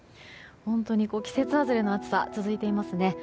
本当に季節外れの暑さが続いていますね。